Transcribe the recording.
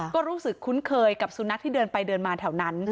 ก็รู้สึกคุ้นเคยกับสุนัขที่เดินไปเดินมาแถวนั้น